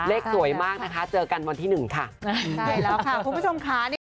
เลขสวยมากนะคะเจอกันวันที่หนึ่งค่ะใช่แล้วค่ะคุณผู้ชมค่ะนี่